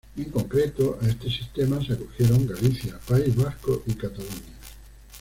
En concreto, a este sistema se acogieron Galicia, País Vasco y Cataluña.